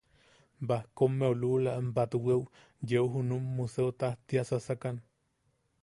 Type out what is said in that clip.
Bahkommeu luula batweu yeu junum Museo tajtia sasakan.